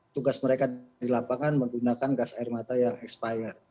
tugas mereka di lapangan menggunakan gas air mata yang expired